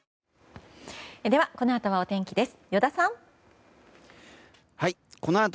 このあとはお天気です。